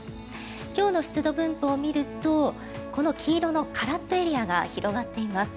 今日の湿度分布を見るとこの黄色のカラッとエリアが広がっています。